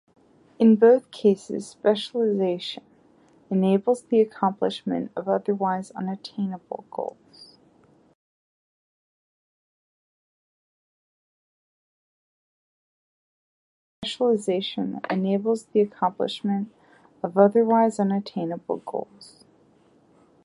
In both cases, specialization enables the accomplishment of otherwise unattainable goals.